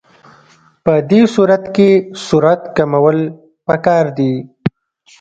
په دې صورت کې سرعت کمول پکار دي